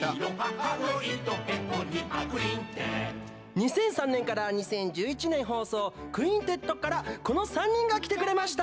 ２００３年から２０１１年放送「クインテット」からこの３人が来てくれました！